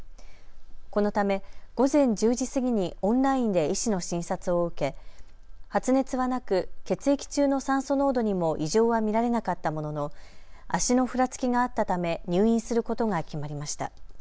このため午前１０時過ぎにオンラインで医師の診察を受け発熱はなく血液中の酸素濃度にも異常は見られなかったものの足のふらつきがあったため入院することが決まりました。